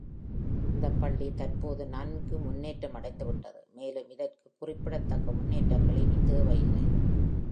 இந்தப் பள்ளி தற்போது நன்கு முன்னேற்றமடைந்துவிட்டது, மேலும் இதற்கு குறிப்பிடத்தக்க முன்னேற்றங்கள் இனி தேவையில்லை.